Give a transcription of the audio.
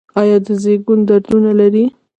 ایا د زیږون دردونه لرئ؟